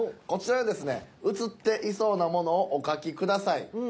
こちらにですね写っていそうなものをお書きください。